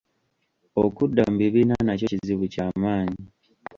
Okudda mu bibiina nakyo kizibu kyamaanyi.